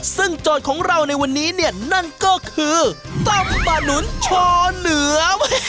ซึ่งโจทย์ของเราในวันนี้เนี่ยนั่นก็คือตำบะหนุนชอเหนือ